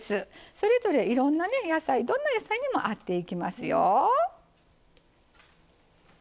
それぞれ、いろんな野菜どんな野菜にも合っていきますよ。